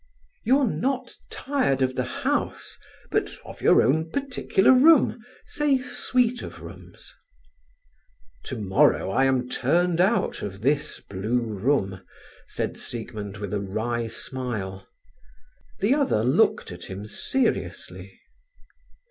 "You're not tired of the House, but of your own particular room say, suite of rooms—" "Tomorrow I am turned out of this 'blue room'," said Siegmund with a wry smile. The other looked at him seriously.